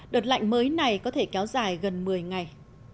đợt lạnh mới này có thể kéo dài gần một mươi ngày